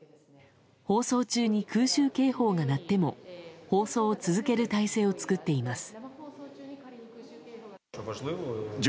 放送中に空襲警報が鳴っても放送を続ける態勢を作っています。